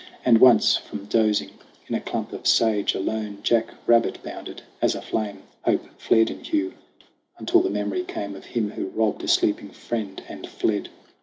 And once, from dozing in a clump of sage, A lone jackrabbit bounded. As a flame Hope flared in Hugh, until the memory came Of him who robbed a sleeping friend and fled.